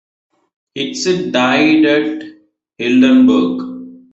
Hitzig died at Heidelberg.